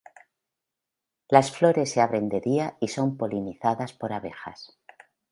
Las flores se abren de día y son polinizadas por abejas.